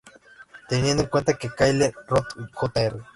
Teniendo en cuenta que Kyle Rote Jr.